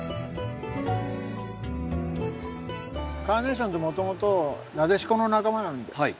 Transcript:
カーネーションってもともとナデシコの仲間なんです。